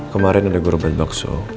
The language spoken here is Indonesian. kemarin ada gurubat bakso